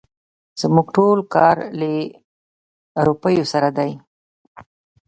زموږ ټول کار له روپيو سره دی.